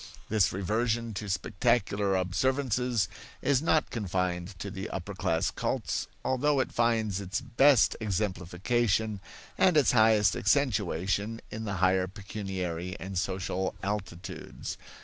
This reversion to spectacular observances is not confined to the upper class cults, although it finds its best exemplification and its highest accentuation in the higher pecuniary and social altitudes.